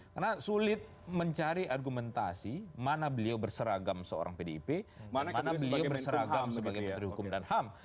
karena sulit mencari argumentasi mana beliau berseragam seorang pdip dan mana beliau berseragam sebagai menteri hukum dan ham